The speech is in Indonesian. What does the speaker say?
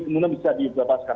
kemudian bisa dibebaskan